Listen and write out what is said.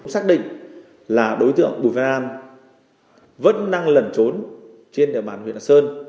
xác định là đối tượng bùi văn an vẫn đang lẩn trốn trên địa bàn nguyễn hà sơn